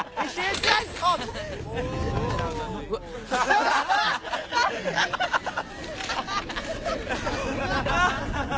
アハハハハ。